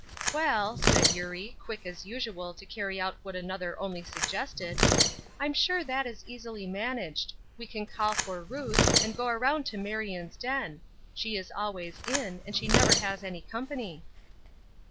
"Well," said Eurie, quick, as usual, to carry out what another only suggested, "I'm sure that is easily managed. We can call for Ruth, and go around to Marion's den; she is always in, and she never has any company."